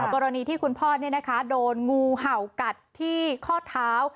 กรณีที่คุณพ่อโดนงูเห่ากัดที่ข้อเท้า